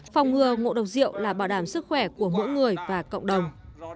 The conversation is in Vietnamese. phòng ngừa ngộ độc rượu là bảo đảm sức khỏe của mỗi người và cộng đồng